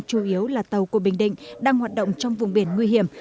chủ yếu là tàu của bình định đang hoạt động trong vùng biển nguy hiểm